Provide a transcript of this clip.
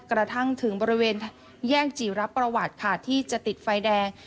กระทั่งถึงบริเวณแยกจิรับประวัติค่ะที่จะติดไฟแดง